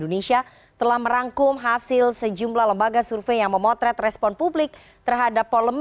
tim litbang cnn indonesia telah merungkum hasil sejumla lembaga survei yang memotret respon publik terhadap politik ini